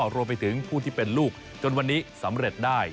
รวมไปถึงผู้ที่เป็นลูกจนวันนี้สำเร็จได้